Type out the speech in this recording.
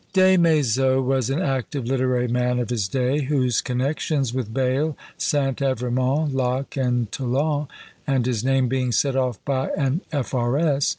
Des Maizeaux was an active literary man of his day, whose connexions with Bayle, St. Evremond, Locke, and Toland, and his name being set off by an F.R.S.